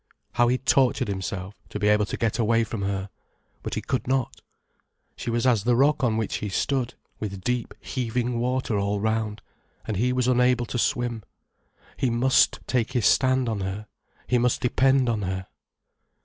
How he tortured himself, to be able to get away from her. But he could not. She was as the rock on which he stood, with deep, heaving water all round, and he was unable to swim. He must take his stand on her, he must depend on her.